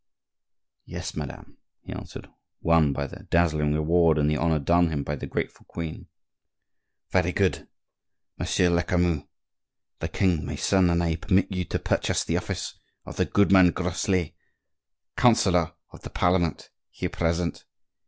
"Yes, madame," he answered, won by the dazzling reward and the honor done him by the grateful queen. "Very good. Monsieur Lecamus, the king, my son, and I permit you to purchase the office of the goodman Groslay, counsellor of the Parliament, here present.